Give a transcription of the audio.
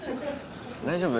大丈夫？